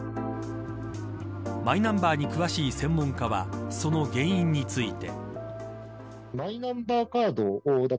マイナンバーに詳しい専門家はその原因について。